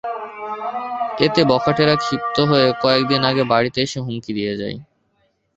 এতে বখাটেরা ক্ষিপ্ত হয়ে কয়েক দিন আগে বাড়িতে এসে হুমকি দিয়ে যায়।